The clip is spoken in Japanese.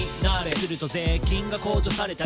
「すると税金が控除されたり」